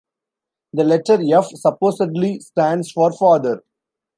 The letter "F" supposedly stands for "Father".